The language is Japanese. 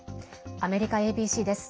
アメリカＡＢＣです。